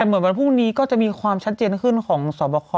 แต่เหมือนวันพรุ่งนี้ก็จะมีความชัดเจนขึ้นของสอบคอ